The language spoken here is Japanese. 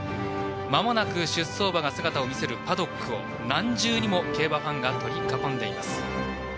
まもなく出走馬が姿を見せるパドックを何重にも競馬ファンが取り囲んでいます。